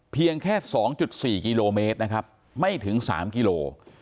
เพียงแค่๒๔กิโลเมตรนะครับไม่ถึง๓กิโล